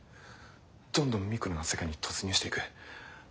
どんどんミクロの世界に突入していく。